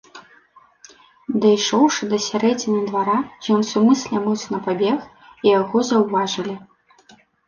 Дайшоўшы да сярэдзіны двара, ён сумысля моцна пабег, і яго заўважылі.